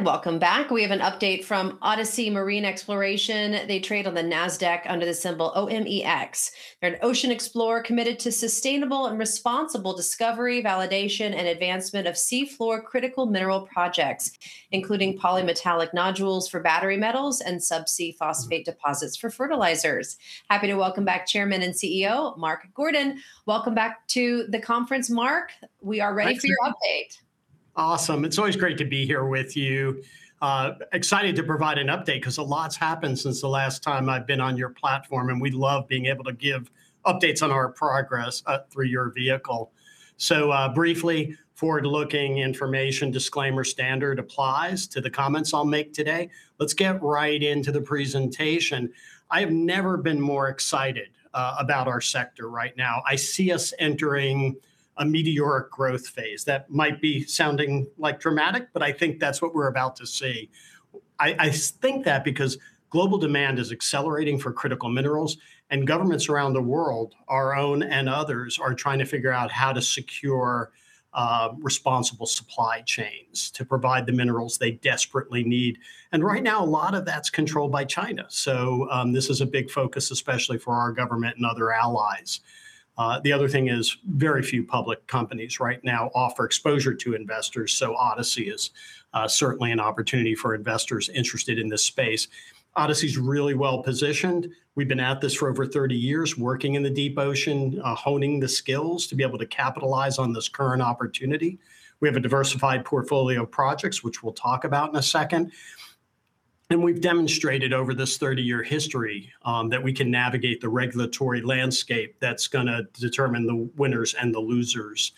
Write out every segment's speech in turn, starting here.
Welcome back. We have an update from Odyssey Marine Exploration. They trade on the NASDAQ under the symbol OMEX. They're an ocean explorer committed to sustainable and responsible discovery, validation, and advancement of seafloor critical mineral projects, including polymetallic nodules for battery metals and subsea phosphate deposits for fertilizers. Happy to welcome back Chairman and CEO Mark Gordon. Welcome back to the conference, Mark. We are ready for your update. Awesome. It's always great to be here with you. Excited to provide an update because a lot's happened since the last time I've been on your platform, and we love being able to give updates on our progress through your vehicle. So, briefly, forward-looking information disclaimer standard applies to the comments I'll make today. Let's get right into the presentation. I have never been more excited about our sector right now. I see us entering a meteoric growth phase. That might be sounding like dramatic, but I think that's what we're about to see. I think that because global demand is accelerating for critical minerals and governments around the world, our own and others, are trying to figure out how to secure responsible supply chains to provide the minerals they desperately need, and right now, a lot of that's controlled by China. So this is a big focus, especially for our government and other allies. The other thing is very few public companies right now offer exposure to investors. So, Odyssey is certainly an opportunity for investors interested in this space. Odyssey is really well-positioned. We've been at this for over 30 years, working in the deep ocean, honing the skills to be able to capitalize on this current opportunity. We have a diversified portfolio of projects, which we'll talk about in a second. And we've demonstrated over this 30-year history that we can navigate the regulatory landscape that's going to determine the winners and the losers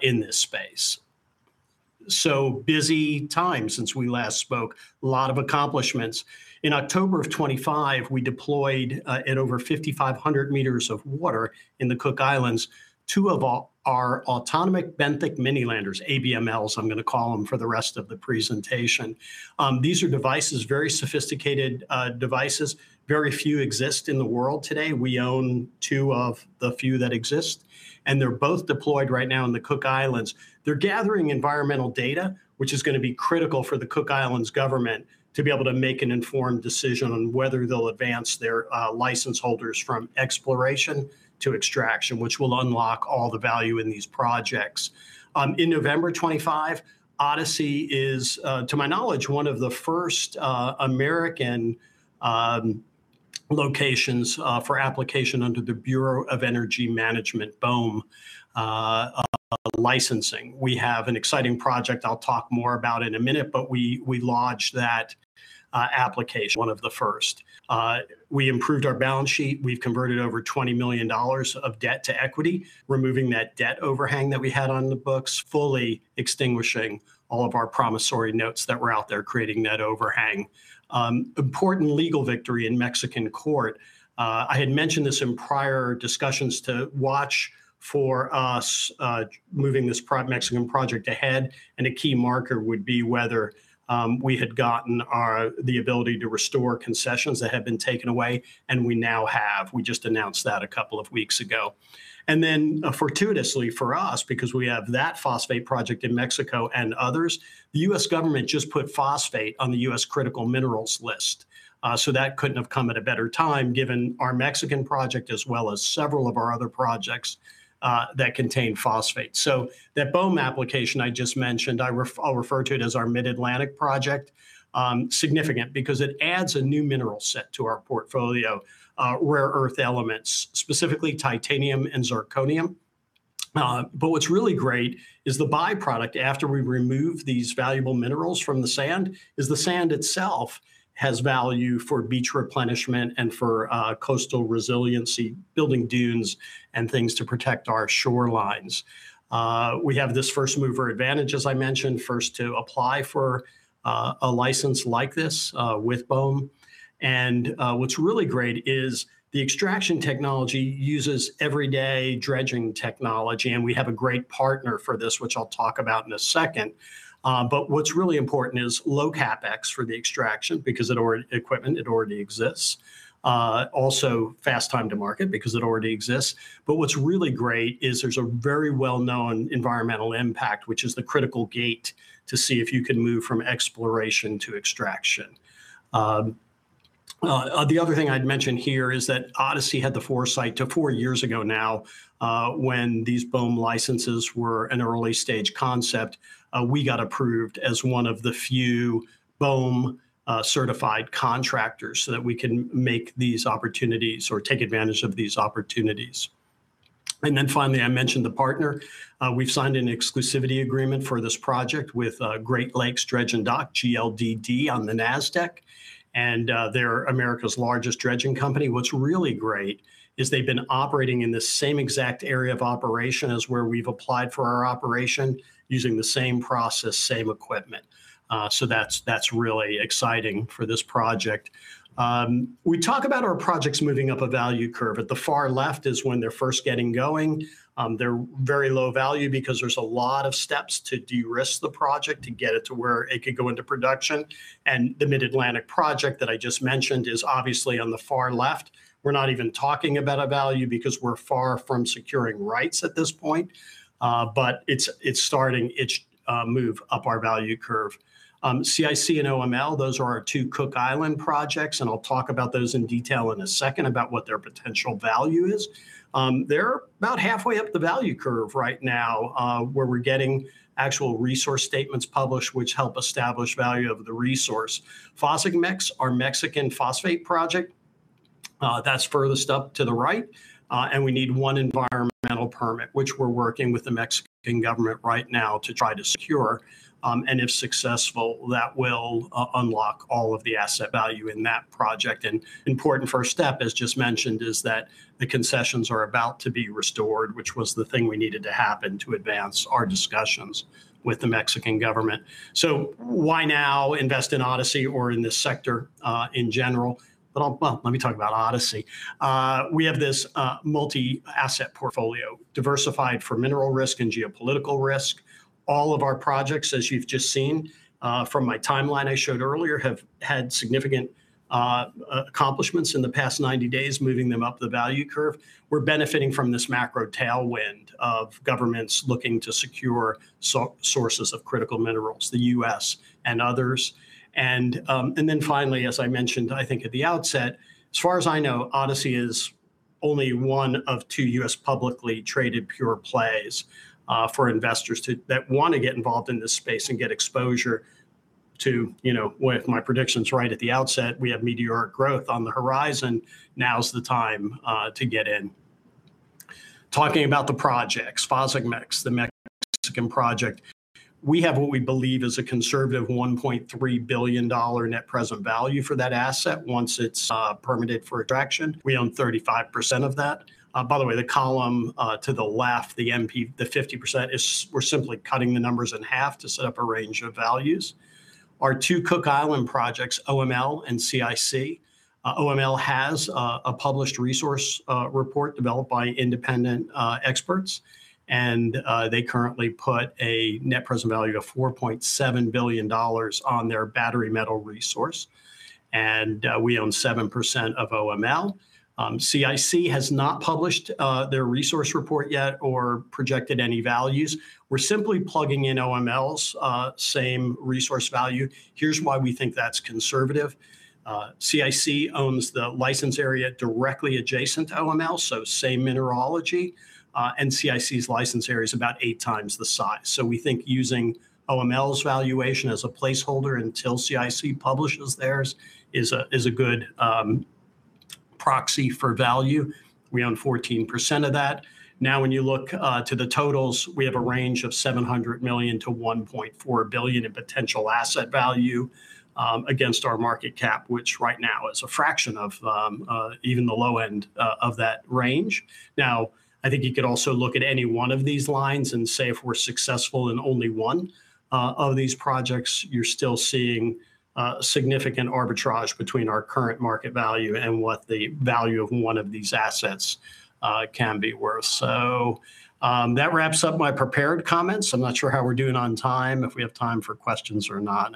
in this space. So, busy time since we last spoke. A lot of accomplishments. In October of 2025, we deployed at over 5,500 meters of water in the Cook Islands two of our Autonomous Benthic Mini Landers, ABMLs. I'm going to call them for the rest of the presentation. These are devices, very sophisticated devices. Very few exist in the world today. We own two of the few that exist, and they're both deployed right now in the Cook Islands. They're gathering environmental data, which is going to be critical for the Cook Islands government to be able to make an informed decision on whether they'll advance their license holders from exploration to extraction, which will unlock all the value in these projects. In November 2025, Odyssey is, to my knowledge, one of the first American locations for application under the Bureau of Ocean Energy Management, BOEM licensing. We have an exciting project. I'll talk more about it in a minute, but we launched that application. One of the first. We improved our balance sheet. We've converted over $20 million of debt to equity, removing that debt overhang that we had on the books, fully extinguishing all of our promissory notes that were out there creating that overhang. Important legal victory in Mexican court. I had mentioned this in prior discussions to watch for us moving this Mexican project ahead, and a key marker would be whether we had gotten the ability to restore concessions that had been taken away, and we now have. We just announced that a couple of weeks ago, and then fortuitously for us, because we have that phosphate project in Mexico and others, the U.S. government just put phosphate on the U.S. critical minerals list. So that couldn't have come at a better time, given our Mexican project, as well as several of our other projects that contain phosphate. So that BOEM application I just mentioned, I'll refer to it as our Mid-Atlantic project, significant because it adds a new mineral set to our portfolio, rare earth elements, specifically titanium and zirconium. But what's really great is the byproduct after we remove these valuable minerals from the sand is the sand itself has value for beach replenishment and for coastal resiliency, building dunes and things to protect our shorelines. We have this first mover advantage, as I mentioned, first to apply for a license like this with BOEM. And what's really great is the extraction technology uses everyday dredging technology, and we have a great partner for this, which I'll talk about in a second. But what's really important is low CapEx for the extraction because it already exists. Also, fast time to market because it already exists. But what's really great is there's a very well-known environmental impact, which is the critical gate to see if you can move from exploration to extraction. The other thing I'd mention here is that Odyssey had the foresight to four years ago now, when these BOEM licenses were an early-stage concept, we got approved as one of the few BOEM certified contractors so that we can make these opportunities or take advantage of these opportunities. And then finally, I mentioned the partner. We've signed an exclusivity agreement for this project with Great Lakes Dredge & Dock, GLDD on the NASDAQ, and they're America's largest dredging company. What's really great is they've been operating in the same exact area of operation as where we've applied for our operation using the same process, same equipment, so that's really exciting for this project. We talk about our projects moving up a value curve. At the far left is when they're first getting going. They're very low value because there's a lot of steps to de-risk the project to get it to where it could go into production, and the Mid-Atlantic project that I just mentioned is obviously on the far left. We're not even talking about a value because we're far from securing rights at this point, but it's starting its move up our value curve. CIC and OML, those are our two Cook Islands projects, and I'll talk about those in detail in a second about what their potential value is. They're about halfway up the value curve right now, where we're getting actual resource statements published, which help establish value of the resource. PhogsagMex, our Mexican phosphate project, that's furthest up to the right, and we need one environmental permit, which we're working with the Mexican government right now to try to secure, and if successful, that will unlock all of the asset value in that project. And important first step, as just mentioned, is that the concessions are about to be restored, which was the thing we needed to happen to advance our discussions with the Mexican government, so why now invest in Odyssey or in this sector in general, but let me talk about Odyssey. We have this multi-asset portfolio diversified for mineral risk and geopolitical risk. All of our projects, as you've just seen from my timeline I showed earlier, have had significant accomplishments in the past 90 days, moving them up the value curve. We're benefiting from this macro tailwind of governments looking to secure sources of critical minerals, the U.S. and others. And then finally, as I mentioned, I think at the outset, as far as I know, Odyssey is only one of two U.S. publicly traded pure plays for investors that want to get involved in this space and get exposure to, if my prediction's right at the outset, we have meteoric growth on the horizon. Now's the time to get in. Talking about the projects, PhogsagMex, the Mexican project, we have what we believe is a conservative $1.3 billion net present value for that asset once it's permitted for extraction. We own 35% of that. By the way, the column to the left, the 50%, we're simply cutting the numbers in half to set up a range of values. Our two Cook Islands projects, OML and CIC. OML has a published resource report developed by independent experts, and they currently put a net present value of $4.7 billion on their battery metal resource. And we own 7% of OML. CIC has not published their resource report yet or projected any values. We're simply plugging in OML's same resource value. Here's why we think that's conservative. CIC owns the license area directly adjacent to OML, so the same mineralogy. And CIC's license area is about eight times the size. So we think using OML's valuation as a placeholder until CIC publishes theirs is a good proxy for value. We own 14% of that. Now, when you look to the totals, we have a range of $700 million-$1.4 billion in potential asset value against our market cap, which right now is a fraction of even the low end of that range. Now, I think you could also look at any one of these lines and say if we're successful in only one of these projects, you're still seeing significant arbitrage between our current market value and what the value of one of these assets can be worth. So that wraps up my prepared comments. I'm not sure how we're doing on time, if we have time for questions, or not.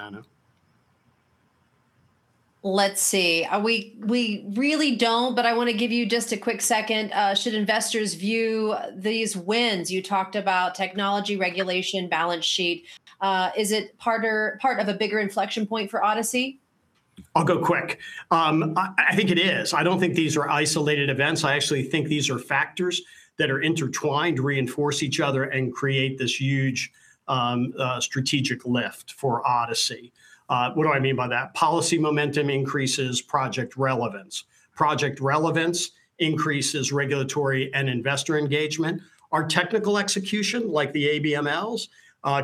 Let's see. We really don't, but I want to give you just a quick second. Should investors view these wins? You talked about technology, regulation, and the balance sheet. Is it part of a bigger inflection point for Odyssey? I'll go quick. I think it is. I don't think these are isolated events. I actually think these are factors that are intertwined, reinforce each other, and create this huge strategic lift for Odyssey. What do I mean by that? Policy momentum increases project relevance. Project relevance increases regulatory and investor engagement. Our technical execution, like the ABMLs,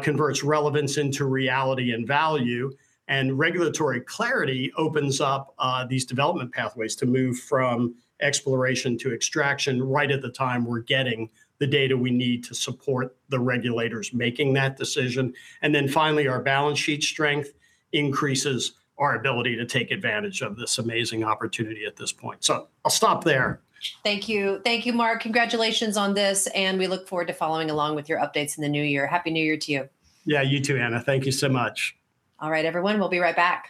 converts relevance into reality and value, and regulatory clarity opens up these development pathways to move from exploration to extraction right at the time we're getting the data we need to support the regulators making that decision, and then finally, our balance sheet strength increases our ability to take advantage of this amazing opportunity at this point, so I'll stop there. Thank you. Thank you, Mark. Congratulations on this, and we look forward to following along with your updates in the new year. Happy New Year to you. Yeah, you too, Anna. Thank you so much. All right, everyone. We'll be right back.